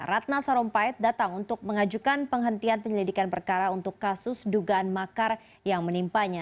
ratna sarumpait datang untuk mengajukan penghentian penyelidikan perkara untuk kasus dugaan makar yang menimpanya